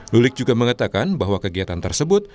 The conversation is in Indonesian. lulik juga mengatakan bahwa kegiatan tersebut